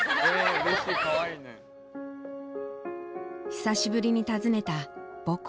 久しぶりに訪ねた母校。